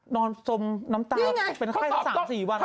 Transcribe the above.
นอนซมน้ำตาเป็นแค่สามสี่วันคุณแม่